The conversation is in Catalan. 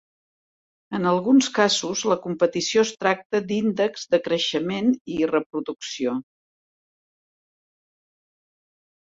En alguns casos, la competició es tracta de índexs de creixement i reproducció.